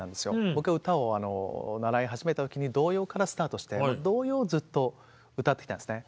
僕が歌を習い始めた時に童謡からスタートして童謡をずっと歌ってきたんですね。